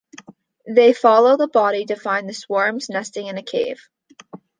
They follow the body to find the swarms nesting in a cave.